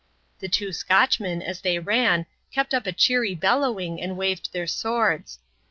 The two Scotchmen, as they ran, kept up a cheery bellowing and waved their swords.